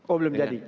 oh belum jadi